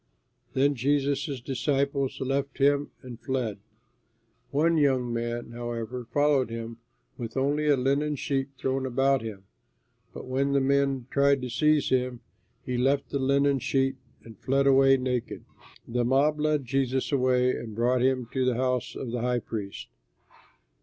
Then Jesus' disciples left him and fled. One young man, however, followed him with only a linen sheet thrown about him; but when the men tried to seize him, he left the linen sheet and fled away naked. The mob led Jesus away and brought him to the house of the high priest.